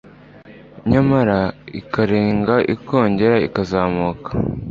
nyamara ikarenga ikongera ikazamuka